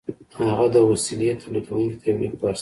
هغه د وسيلې توليدوونکي ته يو ليک واستاوه.